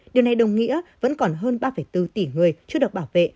điều này đồng nghĩa vẫn còn hơn ba bốn tỷ người chưa được bảo vệ